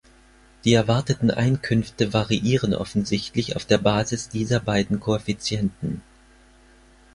Die erwarteten Einkünfte variieren offensichtlich auf der Basis dieser beiden Koeffizienten.